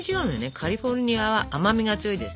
カリフォルニアは甘みが強いです。